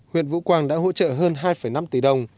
huyện vũ quang đã hỗ trợ hơn hai năm tỷ đồng